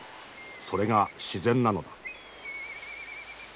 それが自然なのだ。